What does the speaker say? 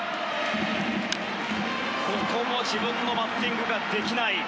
ここも自分のバッティングができない。